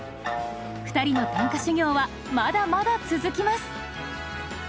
２人の短歌修行はまだまだ続きます。